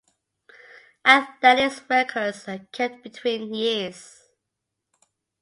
Athletics records are kept between years.